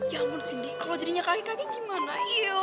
ya ampun cindy kalo jadinya kaki kaki gimana